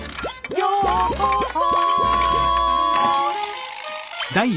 「ようこそ」